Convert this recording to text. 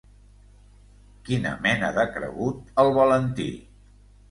Quina mena de cregut, el Valentí!